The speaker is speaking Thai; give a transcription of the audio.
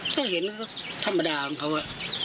ถ้าเห็นแล้วก็ธรรมดาของเค้าอ่ะ